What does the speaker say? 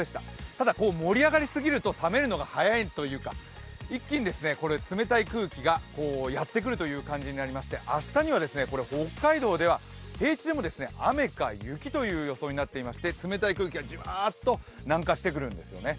ただ盛り上がり過ぎると冷めるのが早いというか一気に冷たい空気がやってくるという感じになりまして明日には北海道では平地でも雨か雪という予想になっていまして、冷たい空気がじわーっと南下してくるんですよね。